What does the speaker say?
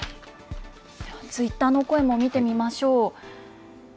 ツイッターの声も見てみましょう。